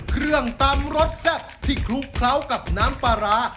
เครื่องตำรสแซ่บที่คลุกเคล้ากับน้ำปลาร้า